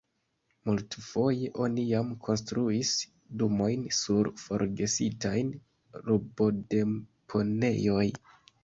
Multfoje oni jam konstruis domojn sur forgesitaj rubodeponejoj.